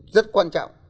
rất quan trọng